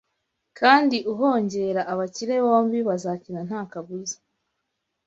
kandi uhongera abakire Bombi bazakena nta kabuza